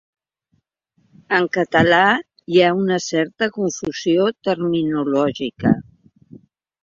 En català hi ha una certa confusió terminològica.